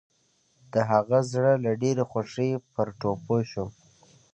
د هغه زړه له ډېرې خوښۍ پر ټوپو شو.